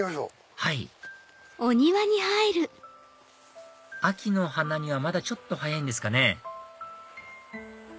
はい秋の花にはまだちょっと早いんですかね